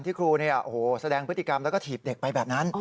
ครูแสดงพฤติกรรมแล้วก็ถีบเด็กไปแบบนั้น